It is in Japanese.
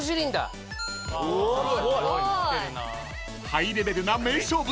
［ハイレベルな名勝負］